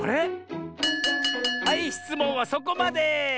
はいしつもんはそこまで！